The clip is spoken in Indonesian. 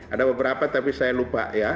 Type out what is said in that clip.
ada beberapa tapi saya lupa ya